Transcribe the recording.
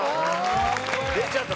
．．．」出ちゃった。